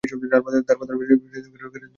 তার প্রধান বিষয় ছিল অর্থনীতি ও সমাজবিজ্ঞান।